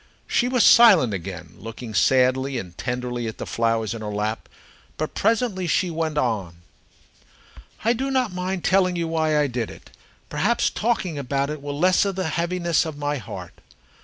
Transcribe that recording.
She was silent again, looking sadly and tenderly at the flowers in her lap, but presently she went on: "I do not mind telling you why I did it. Perhaps talking about it will lessen the heaviness of my heart.